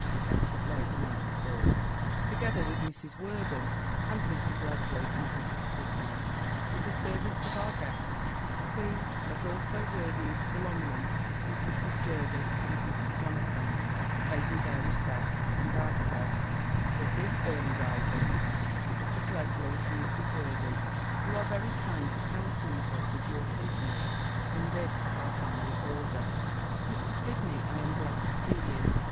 had kept up late the night before), together with Mrs. Worden and Mrs. Lesley, and Mr. Sidney, with the servants of our guests, who, as also worthy Mr. Longman, and Mrs. Jervis, and Mr. Jonathan, paid me their respects: and I said, "This is early rising, Mrs. Lesley and Mrs. Worden; you are very kind to countenance us with your companies in this our family order. Mr. Sidney, I am glad to see you.